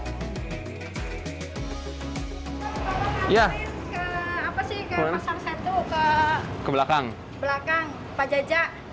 tolong ngasihin ke pasar satu ke belakang pak jajak